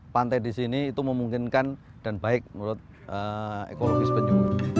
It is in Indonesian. pantai di sini itu memungkinkan dan baik menurut ekologis penyu